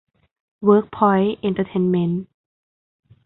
เวิร์คพอยท์ เอ็นเทอร์เทนเมนท์